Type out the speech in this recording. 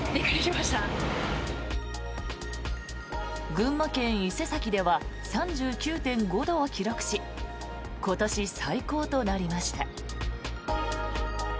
群馬県伊勢崎では３９．５度を記録し今年最高となりました。